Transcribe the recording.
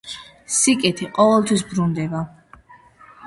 სიკეთე ყოველთვის ბრუნდება